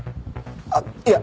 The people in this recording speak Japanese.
あっいや。